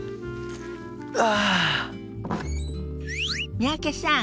三宅さん